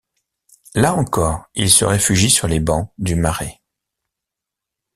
Là encore, il se réfugie sur les bancs du Marais.